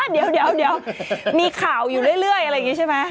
เดี๋ยวมีข่าวอยู่เรื่อยอะไรอย่างนี้ใช่ไหม